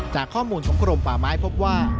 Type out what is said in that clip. จากข้อมูลของกรมป่าไม้พบว่า